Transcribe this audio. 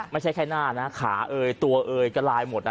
ไม่ใช่แค่หน้านะขาเอ่ยตัวเอยกระลายหมดนะ